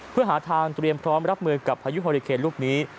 เพื่อหาทางเตรียมพร้อมรับมือกับพายุฮอริเคนลูกนี้